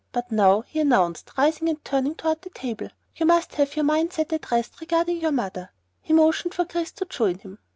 But now," he announced, rising and turning toward the table, "you must have your mind set at rest regarding your mother." He motioned for Chris to join him.